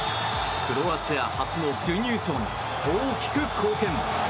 クロアチア初の準優勝に大きく貢献。